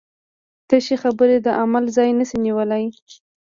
تشې خبرې د عمل ځای نشي نیولی.